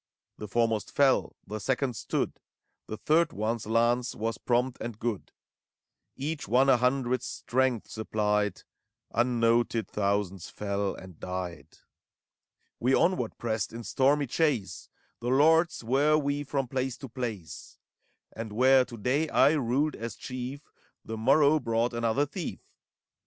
The foremost fell, the second stood; The third one's lance was prompt and good ; Each one a hundred's strength supplied : Unnoted, thousands fell and died. We onward pressed, in stormy chase; The lords were we from place to place ; And where, to day, I ruled as chief. The morrow brought another thief. ACT III.